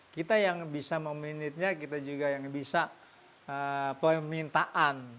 kita yang bisa meminitnya kita juga yang bisa permintaan